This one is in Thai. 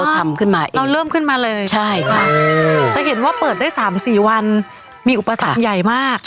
รถเบนต์ขับมาจอดข้างน้ำ